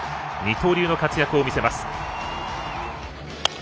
二刀流の活躍を見せます。